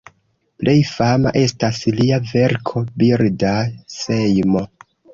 Plej fama estas lia verko "Birda sejmo".